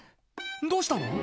どうしたの？